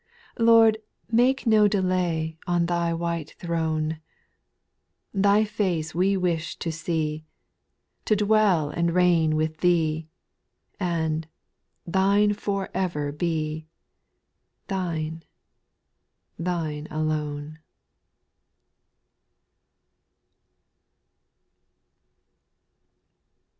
Lord, make no delay, On Thy white throne ; Thy face we wish to see To dwell and reign with Thee, And, Thine for ever be — Thine, Thine alone.